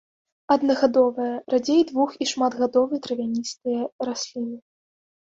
Аднагадовыя, радзей двух- і шматгадовы травяністыя расліны.